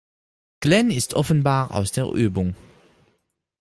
Glenn ist offenbar aus der Übung.